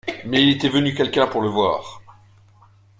Mais il était venu quelqu’un pour le voir.